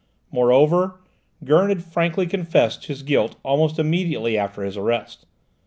Moreover, Gurn had frankly confessed his guilt almost immediately after his arrest.